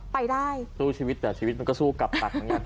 ไปได้สู้ชีวิตแต่ชีวิตมันก็สู้กลับปากอย่างเงี้ย